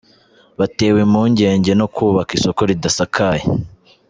Batewe impungenge no kubaka isoko ridasakaye